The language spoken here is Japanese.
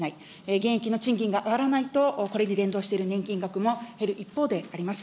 現役の賃金が上がらないと、これに連動している年金額も減る一方であります。